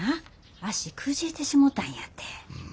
足くじいてしもたんやて。